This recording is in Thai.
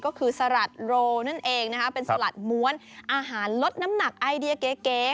ก็คือสาหรัสโร๋นั่นเองเป็นสาหรัฐมวลอาหารลดน้ำหนักไอเดียเก๋